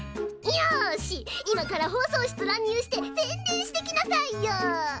よし今から放送室乱入して宣伝してきなさいよ！